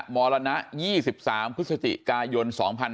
มรณะ๒๓พฤศจิกายน๒๕๕๙